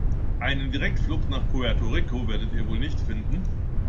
Einen Direktflug nach Puerto Rico werdet ihr wohl nicht finden.